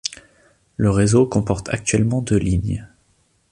Le réseau comporte actuellement deux lignes.